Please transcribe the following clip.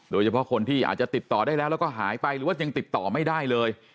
โดยเฉพาะคนที่อาจจะติดต่อได้แล้วแล้วก็หายไปหรือว่ายังติดต่อไม่ได้เลย